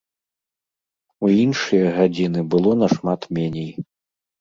У іншыя гадзіны было нашмат меней.